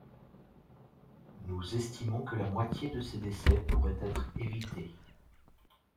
Nous estimons que la moitié de ces décès pourraient être évités.